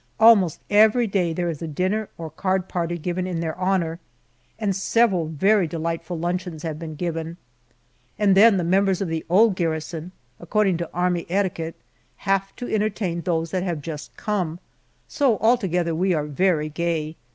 Almost every day there is a dinner or card party given in their honor, and several very delightful luncheons have been given. And then the members of the old garrison, according to army etiquette, have to entertain those that have just come, so altogether we are very gay.